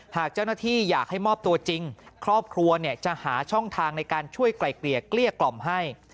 หากเจ้าหน้าที่อยากให้มอบตัวจริงครอบครัวเนี่ยจะหาช่องทางในการช่วยไกลเกลี่ยเกลี้ยกล่อมให้